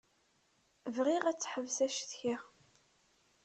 Bɣiɣ ad teḥbes acetki.